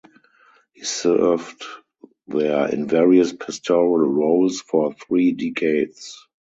He served there in various pastoral roles for three decades.